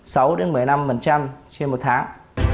trên một tháng